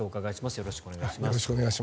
よろしくお願いします。